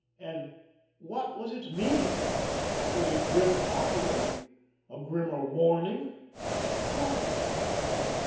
And what was its meaning? Was it grim mockery? A grimmer warning? What?